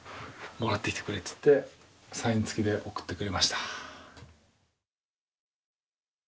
「もらってきてくれ」つってサイン付きで送ってくれました。